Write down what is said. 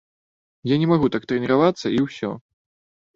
Я не магу так трэніравацца і ўсё.